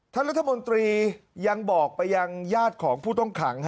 ท่านรัฐมนตรียังบอกไปยังญาติของผู้ต้องขัง